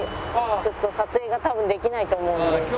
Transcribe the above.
ちょっと撮影が多分できないと思うので。